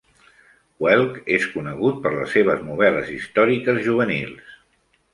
Welch és conegut per les seves novel·les històriques juvenils.